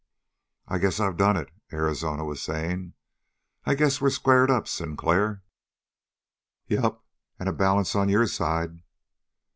"I guess I've done it," Arizona was saying. "I guess we're squared up, Sinclair." "Yep, and a balance on your side."